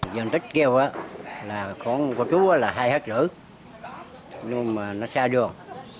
dân tích kêu là có chú là hai năm hectare nhưng mà nó xa đường